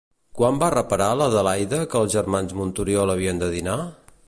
Quan va reparar l'Adelaida que els germans Montoriol havien de dinar?